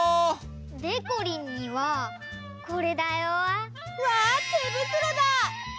でこりんにはこれだよ！わてぶくろだ！